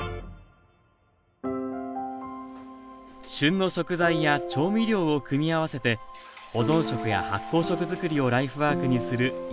旬の食材や調味料を組み合わせて保存食や発酵食づくりをライフワークにする井澤さん。